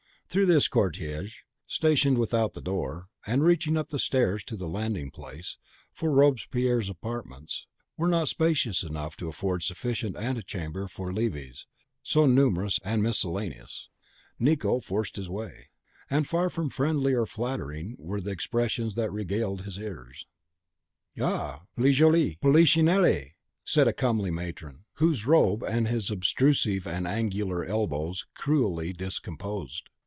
Through this cortege stationed without the door, and reaching up the stairs to the landing place, for Robespierre's apartments were not spacious enough to afford sufficient antechamber for levees so numerous and miscellaneous, Nicot forced his way; and far from friendly or flattering were the expressions that regaled his ears. "Aha, le joli Polichinelle!" said a comely matron, whose robe his obtrusive and angular elbows cruelly discomposed.